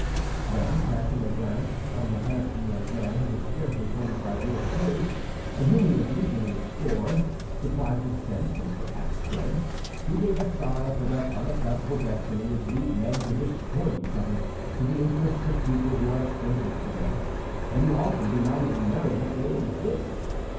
Then, casting a glance on the handsome young man, who was scarcely twenty five years of age, and whom he was leaving in his gore, deprived of sense and perhaps dead, he gave a sigh for that unaccountable destiny which leads men to destroy each other for the interests of people who are strangers to them and who often do not even know that they exist.